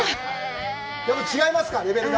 違いますか、レベルが。